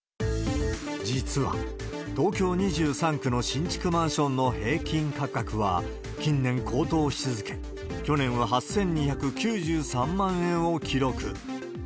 実は東京２３区の新築マンションの平均価格は、近年高騰し続け、去年は８２９３万円を記録。